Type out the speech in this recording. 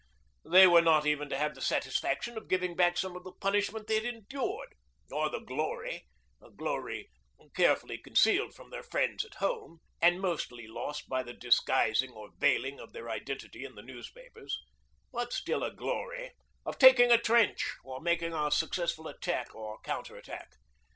They were not even to have the satisfaction of giving back some of the punishment they had endured, or the glory a glory carefully concealed from their friends at home, and mostly lost by the disguising or veiling of their identity in the newspapers, but still a glory of taking a trench or making a successful attack or counter attack.